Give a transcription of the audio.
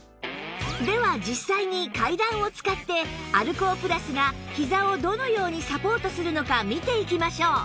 では実際に階段を使ってアルコープラスがひざをどのようにサポートするのか見ていきましょう